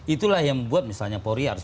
itulah yang membuat misalnya polri harus